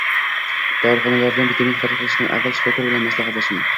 Dorixonalardan vitamin xarid qilishdan avval shifokor bilan maslahatlashing